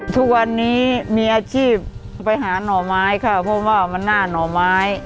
ทุกวันนี้มีอาชีพไปหาหน่อไม้ค่ะเพราะว่ามันหน้าหน่อไม้